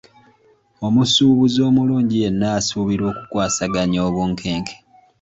Omusuubuzi omulungi yenna asuubirwa okukwasaganya obunkenke.